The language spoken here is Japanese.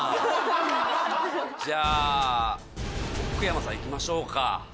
じゃあ奥山さんいきましょうか。